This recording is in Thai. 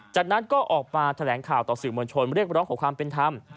จากนั้นก็ออกมาแถลงข่าวต่อสื่อมวลชนเรียกร้องขอความเป็นธรรม